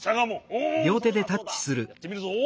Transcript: やってみるぞ。